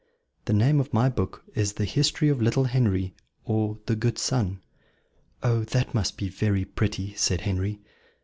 The name of my book is 'The History of Little Henri, or the Good Son.'" "Oh, that must be very pretty," said Henry.